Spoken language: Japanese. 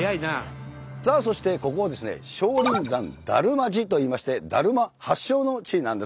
さあそしてここは少林山達磨寺といいましてだるま発祥の地なんですね。